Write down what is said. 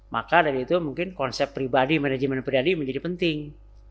maka dari itu mungkin konsep pribadi manajemen pribadi menjadi penting